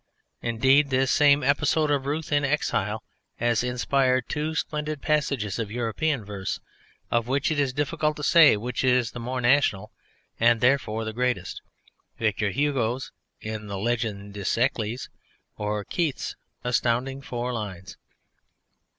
Indeed this same episode of Ruth in exile has inspired two splendid passages of European verse, of which it is difficult to say which is the more national, and therefore the greatest, Victor Hugo's in the Legende des Siecles or Keats's astounding four lines.